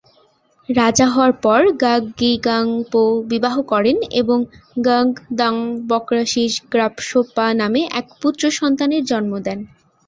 রাজা হওয়ার পর ঙ্গাগ-গি-দ্বাং-পো বিবাহ করেন এবং ঙ্গাগ-দ্বাং-ব্ক্রা-শিস-গ্রাগ্স-পা নামে এক পুত্রসন্তানের জন্ম দেন।